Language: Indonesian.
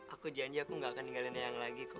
aku janji aku gak akan tinggalin eyang lagi kok